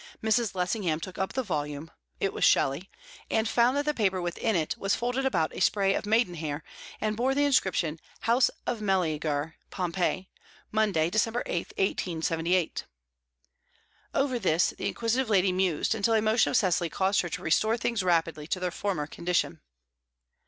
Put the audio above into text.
Mrs. Lessingham took up the volume it was Shelley and found that the paper within it was folded about a spray of maidenhair, and bore the inscription "House of Meleager Pompeii. Monday, December 8, 1878." Over this the inquisitive lady mused, until a motion of Cecily caused her to restore things rapidly to their former condition.